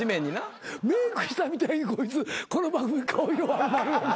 メークしたみたいにこいつこの番組顔色悪なるよな。